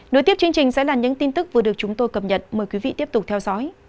đối tiếp chương trình sẽ là những tin tức vừa được chúng tôi cập nhật mời quý vị tiếp tục theo dõi